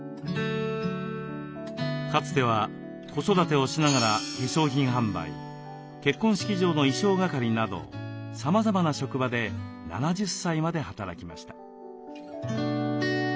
かつては子育てをしながら化粧品販売結婚式場の衣装係などさまざまな職場で７０歳まで働きました。